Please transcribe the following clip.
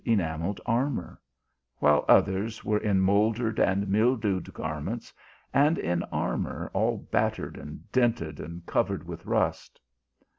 enamelled armour; while others were in moul dered and mildewed garments, and in armour all battered and dinted, and covered with rust.